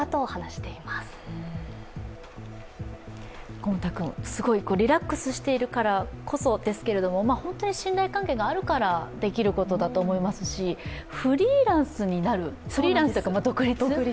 コモ太君、すごいリラックスしているからこそですけども、本当に信頼関係があるからできることだと思いますし、フリーランスになる、独立？